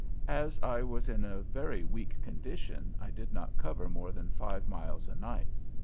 As I was in a very weak condition, I did not cover more than five miles a night.